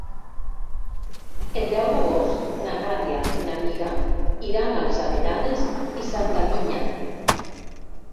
El deu d'agost na Nàdia i na Mira iran a les Avellanes i Santa Linya.